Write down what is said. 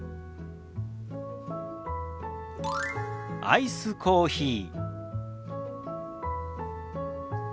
「アイスコーヒー」。